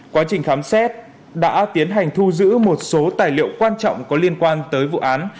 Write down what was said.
quá trình khám xét đã tiến hành thu giữ một số tài liệu quan trọng có liên quan tới vụ án